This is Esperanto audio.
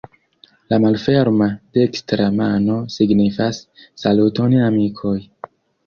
La malferma dekstra mano signifas "Saluton amikoj!